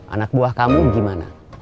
anak buah kamu gimana